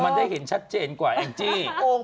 มันได้เห็นชัดเจนเก่าว่าจริง